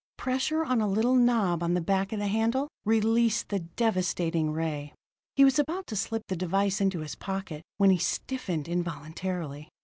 Pressure on a little knob at the back of the handle released the devastating ray. He was about to slip the device into his pocket when he stiffened involuntarily.